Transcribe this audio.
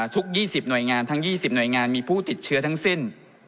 ทุก๒๐หน่วยงานทั้ง๒๐หน่วยงานมีผู้ติดเชื้อทั้งสิ้น